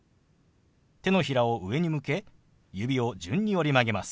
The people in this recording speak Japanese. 手のひらを上に向け指を順に折り曲げます。